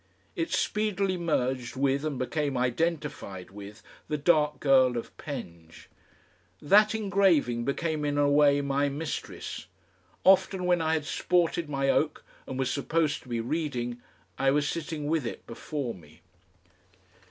It speedily merged with and became identified with the dark girl of Penge. That engraving became in a way my mistress. Often when I had sported my oak and was supposed to be reading, I was sitting with it before me.